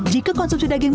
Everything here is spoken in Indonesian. jika konsumsi daging